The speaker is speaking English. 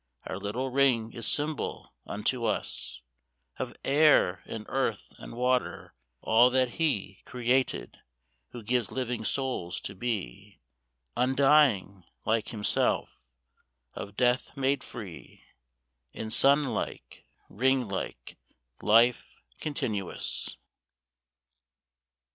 Our little ring is symbol unto us Of air and earth and water, all that He Created who gives living souls to be Undying like Himself, of death made free In sun like, ring like life, continuous.